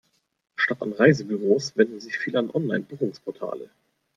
Statt an Reisebüros wenden sich viele an Online-Buchungsportale.